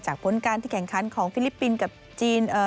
ผลการที่แข่งขันของฟิลิปปินส์กับจีน